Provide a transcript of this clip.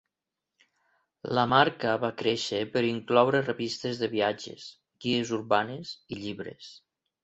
La marca va créixer per incloure revistes de viatges, guies urbanes i llibres.